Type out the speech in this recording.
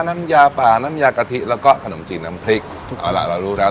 น้ำยาป่าน้ำยากะทิแล้วก็ขนมจีนน้ำพริกเอาล่ะเรารู้แล้ว